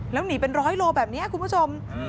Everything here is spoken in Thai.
แล้วหนีเป็นร้อยโลแบบนี้คุณผู้ชม